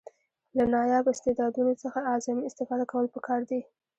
له نایابه استعدادونو څخه اعظمي استفاده کول پکار دي.